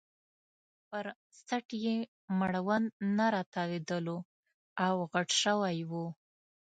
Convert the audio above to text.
پر څټ یې مړوند نه راتاوېدلو او غټ شوی وو.